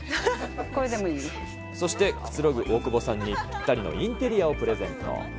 そして、くつろぐ大久保さんに、ぴったりのインテリアをプレゼント。